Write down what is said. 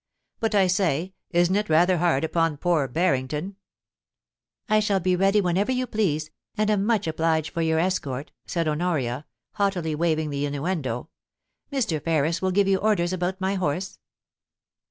* But, I say, isn't it rather hard upon poor Barrington ?'* I shall be ready whenever you please, and am much obliged for your escort,' said Honoria, haughtily waving the innuendo. * Mr. Ferris, will you give orders about my horse?